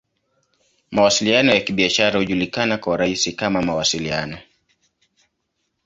Mawasiliano ya Kibiashara hujulikana kwa urahisi kama "Mawasiliano.